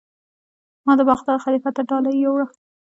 ما د بغداد خلیفه ته ډالۍ یووړه.